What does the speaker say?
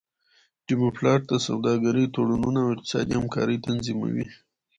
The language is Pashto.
ډيپلومات د سوداګری تړونونه او اقتصادي همکاری تنظیموي.